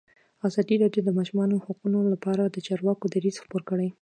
ازادي راډیو د د ماشومانو حقونه لپاره د چارواکو دریځ خپور کړی.